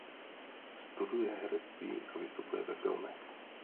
Studuje herectví a vystupuje ve filmech.